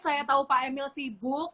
saya tahu pak emil sibuk